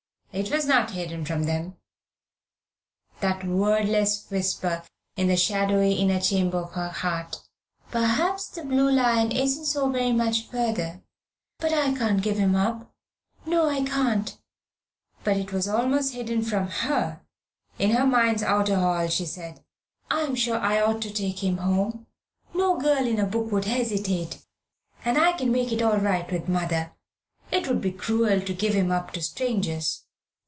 It was not hidden from them, that wordless whisper in the shadowy inner chamber of her heart. "Perhaps the 'Blue Lion' isn't so very much further, but I can't give him up. No, I can't." But it was almost hidden from her. In her mind's outer hall she said "I'm sure I ought to take him home. No girl in a book would hesitate. And I can make it all right with mother. It would be cruel to give him up to strangers."